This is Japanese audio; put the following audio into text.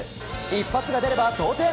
一発が出れば同点！